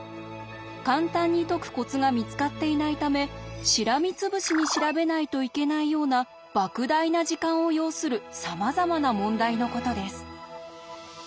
簡単に解くコツが見つかっていないためしらみつぶしに調べないといけないようなばく大な時間を要するさまざまな問題のことです。